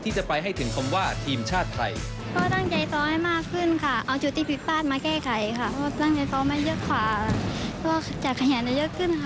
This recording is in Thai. ที่จะไปให้ถึงคำว่าทีมชาติไทย